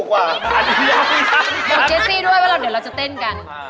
เขาเต้นเซ็กซี่มาก